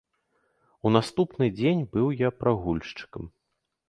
У наступны дзень быў я прагульшчыкам.